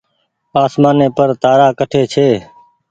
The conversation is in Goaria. آسمآني پر تآرآ ڪٺي ڇي۔